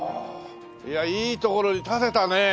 いやいい所に建てたね。